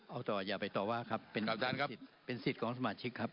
เอาต่ออย่าไปต่อว่าครับเป็นสิทธิ์ของสมาชิกครับ